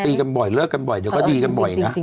กันบ่อยเลิกกันบ่อยเดี๋ยวก็ดีกันบ่อยนะ